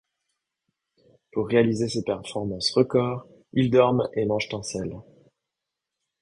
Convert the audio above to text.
Pour réaliser ces performances records, ils dorment et mangent en selle.